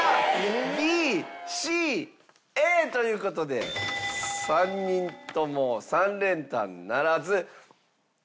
ＢＣＡという事で３人とも３連単ならず。